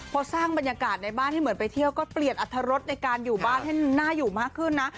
พอสร้างบรรยากาศในบ้านให้เหมือนไปเที่ยวก็เปลี่ยนอัธรสในการอยู่บ้านให้น่าอยู่มากขึ้นนะ